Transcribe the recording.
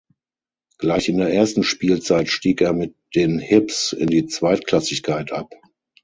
Gleich in der ersten Spielzeit stieg er mit den „Hibs“ in die Zweitklassigkeit ab.